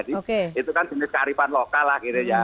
itu kan jenis kearifan lokal lah kira kira